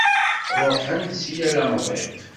Ṛuḥen-d si yal amḍiq.